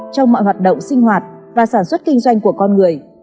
trong mọi hoạt động sinh hoạt và sản xuất kinh doanh của con người